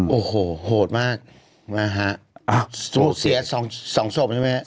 โอ้โหโหดมากมาฮะเสียสองสมใช่ไหมฮะ